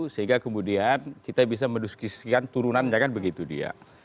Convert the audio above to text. sehingga kemudian kita bisa mendiskusikan turunan jangan begitu dia